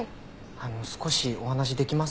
あの少しお話できますか？